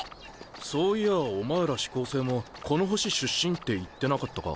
そういやお前ら四煌星もこの星出身って言ってなかったか？